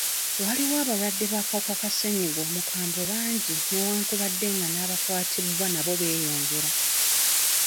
Waliwo abalwadde b'akawuka ka sennyiga omukambwe bangi newankubadde nga n'abakwatibwa nabo beyongera.